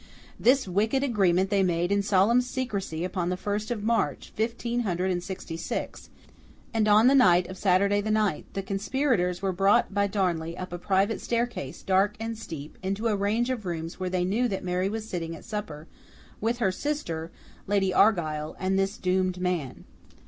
This wicked agreement they made in solemn secrecy upon the first of March, fifteen hundred and sixty six, and on the night of Saturday the ninth, the conspirators were brought by Darnley up a private staircase, dark and steep, into a range of rooms where they knew that Mary was sitting at supper with her sister, Lady Argyle, and this doomed man.